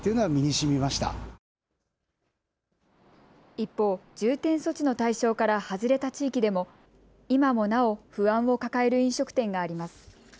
一方、重点措置の対象から外れた地域でも今もなお、不安を抱える飲食店があります。